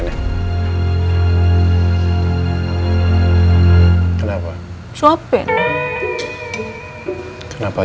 kamu juga siapanya kenapa kebanyakan